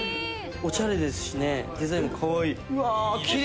おしゃれですしねデザインもカワイイ。